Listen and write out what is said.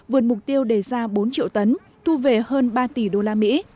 vượt mục tiêu đề ra bốn triệu tấn thu về hơn ba tỷ usd